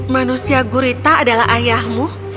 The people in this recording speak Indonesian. manusia gurita adalah ayahmu